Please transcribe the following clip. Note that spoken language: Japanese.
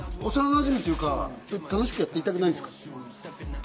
ずっと幼なじみというか楽しくやっていたくないですか？